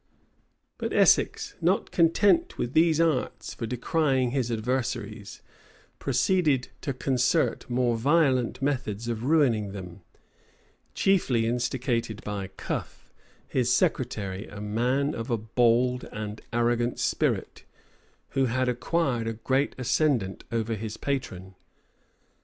} But Essex, not content with these arts for decrying his adversaries, proceeded to concert more violent methods of ruining them; chiefly instigated by Cuffe, his secretary, a man of a bold and arrogant spirit, who had acquired a great ascendant over his patron.